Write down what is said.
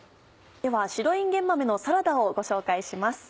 では白いんげん豆のサラダをご紹介します。